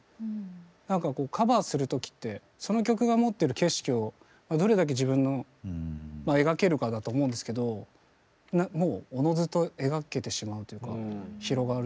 なんかこうカバーする時ってその曲が持ってる景色をどれだけ自分の描けるかだと思うんですけどもうおのずと描けてしまうというか広がる感じはしましたね。